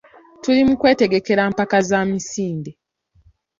Tuli mu kwetegekera mpaka za misinde.